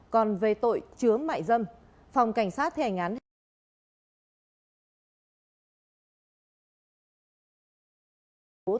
còn về tội chứa mại dâm phòng cảnh sát theo hành án